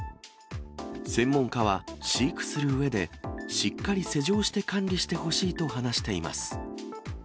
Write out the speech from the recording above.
専門家は、飼育するうえで、しっかり施錠して管理してほしいと話しています。